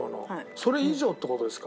それ以上って事ですか？